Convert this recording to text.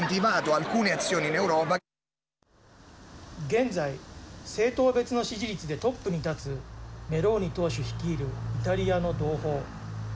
現在、政党別の支持率でトップに立つメローニ党首率いるイタリアの同胞。